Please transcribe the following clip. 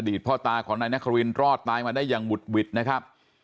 พ่อตาของนายนครินรอดตายมาได้อย่างหุดหวิดนะครับ